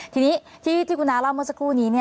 ทีนี้ที่คุณน้าเล่าเมื่อสักครู่นี้